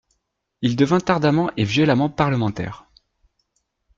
Il devint ardemment et violemment parlementaire.